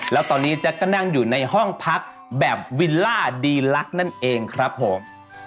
แล้วตอนนี้แจ๊กก็นั่งอยู่ในห้องพักแบบวิลล่าดีลักษณ์นั่นเองครับผม